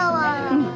うん。